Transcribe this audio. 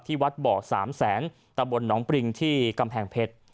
ที่วัดเบาะ๓แสนตะบลน้องปริงที่กำแพงเพชร